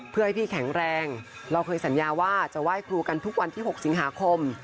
เพื่อให้พี่แข็งแรงเราเคยสัญญาว่าจะไหว้ครูกันทุกวันที่๖สิงหาคม